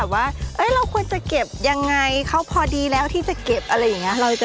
วางไม้ก่อนแล้วกันนะคะ